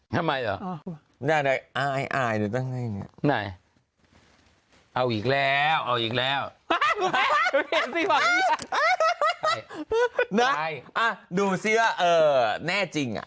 ทำไมหรอ